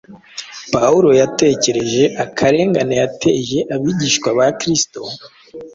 Pawulo yatekereje akarengane yateje abigishwa ba Kristo,